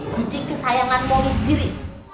guci kesayangan momi sendiri